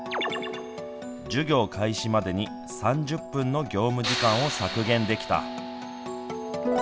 授業開始までに３０分の業務時間を削減できた。